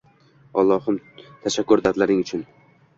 Allohim, tashakkur dardlaring uchun